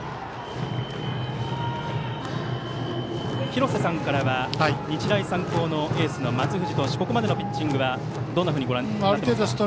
廣瀬さんは日大三高のエース松藤投手のここまでのピッチングはどうご覧になっていますか。